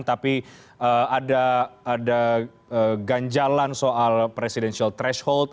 tapi ada ganjalan soal threshold presiden